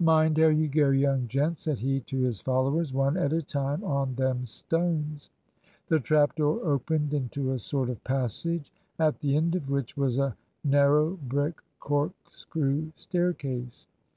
"Mind how you go, young gents," said he to his followers; "one at a time on them stones." The trap door opened into a sort of passage, at the end of which was a narrow brick corkscrew staircase.